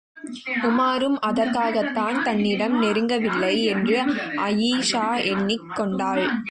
உமாரும் அதற்காகத்தான் தன்னிடம் நெருங்கவில்லை என்று அயீஷா எண்ணிக் கொண்டாள்.